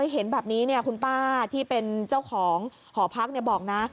เห็นแบบนี้คุณป้าที่เป็นเจ้าของหอพักบอกนะ